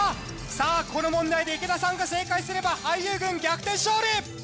さあこの問題で池田さんが正解すれば俳優軍逆転勝利。